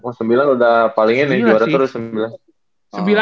oh sembilan udah paling ini